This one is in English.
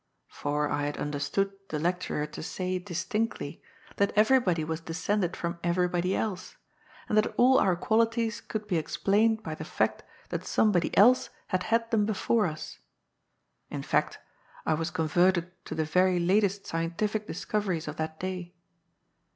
For I had understood the lecturer to say distinctly that eyerybody was descended from eyerybody else, and that all our qualities could be ex plained by the fact that somebody else had had them before us. In fact, I was converted to the very latest scientific discoveries of that day.